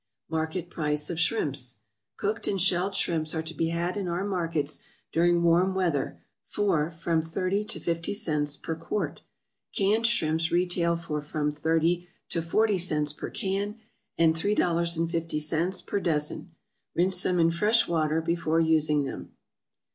=Market Price of Shrimps.= Cooked and shelled shrimps are to be had in our markets during warm weather, for from thirty to fifty cents per quart. Canned shrimps retail for from thirty to forty cents per can, and $3.50 per dozen. Rinse them in fresh water before using them.